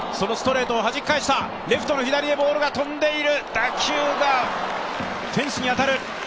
打球がフェンスに当たる！